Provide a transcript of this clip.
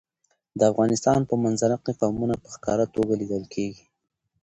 د افغانستان په منظره کې قومونه په ښکاره توګه لیدل کېږي.